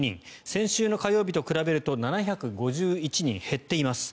先週の火曜日と比べると７５１人減っています。